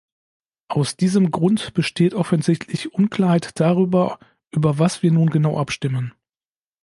Aus diesem Grund besteht offensichtlich Unklarheit darüber, über was wir nun genau abstimmen.